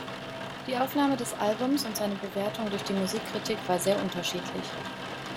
Die Aufnahme des Albums und seine Bewertung durch die Musikkritik war sehr unterschiedlich.